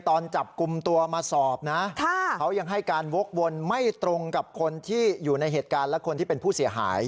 ตอนจับกลุ่มตัวมาสอบนะเขายังให้การวกวนไม่ตรงกับคนที่อยู่ในเหตุการณ์และคนที่เป็นผู้เสียหาย